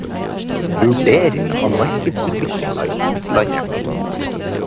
Vurdering av markedsutviklingen i utlandet.